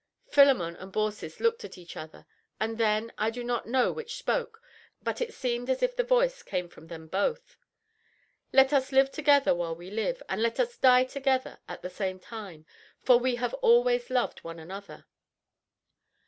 Philemon and Baucis looked at one another, and then I do not know which spoke, but it seemed as if the voice came from them both. "Let us live together while we live, and let us die together, at the same time, for we have always loved one another."